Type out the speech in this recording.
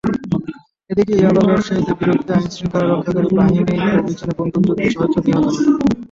এদিকে ইয়াবা ব্যবসায়ীদের বিরুদ্ধে আইনশৃঙ্খলা রক্ষাকারী বাহিনীর অভিযানে বন্দুকযুদ্ধে ছয়জন নিহত হয়।